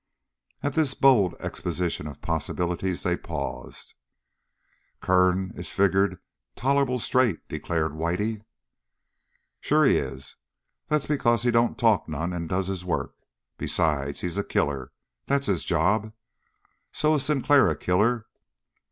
At this bold exposition of possibilities they paused. "Kern is figured tolerable straight," declared Whitey. "Sure he is. That's because he don't talk none and does his work. Besides, he's a killer. That's his job. So is Sinclair a killer.